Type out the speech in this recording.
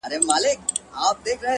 د کاله د نٙغري دوړې ایرې شوم